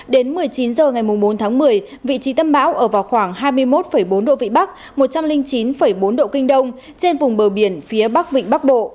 đến một mươi chín h ngày bốn tháng một mươi vị trí tâm bão ở vào khoảng hai mươi một bốn độ vĩ bắc một trăm linh chín bốn độ kinh đông trên vùng bờ biển phía bắc vịnh bắc bộ